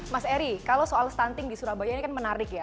mas eri kalau soal stunting di surabaya ini kan menarik ya